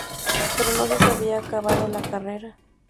Pero no se había acabado la carrera.